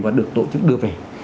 và được tổ chức đưa về